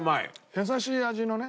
優しい味のね。